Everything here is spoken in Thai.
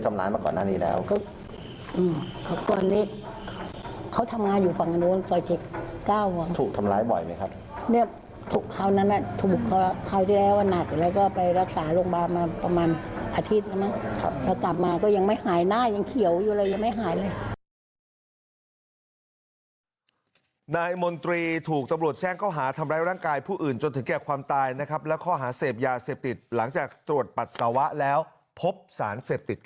อาทิตย์แล้วกลับมาก็ยังไม่หายหน้ายังเขียวอยู่เลยยังไม่หายเลย